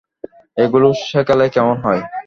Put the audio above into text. এগুলো শেখালে কেমন হয়?